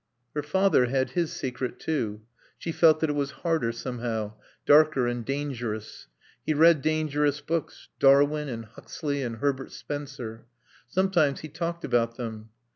Her father had his secret too. She felt that it was harder, somehow, darker and dangerous. He read dangerous books: Darwin and Huxley and Herbert Spencer. Sometimes he talked about them.